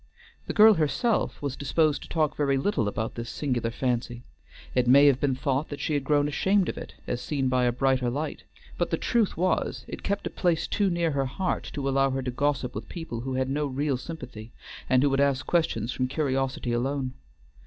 The girl herself was disposed to talk very little about this singular fancy; it may have been thought that she had grown ashamed of it as seen by a brighter light, but the truth was it kept a place too near her heart to allow her to gossip with people who had no real sympathy, and who would ask questions from curiosity alone.